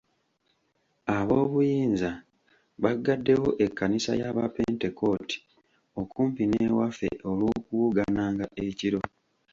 Ab'obunyinza bagaddewo ekkanisa y'abapentekooti okumpi n'ewaffe olw'okuwoggananga ekiro.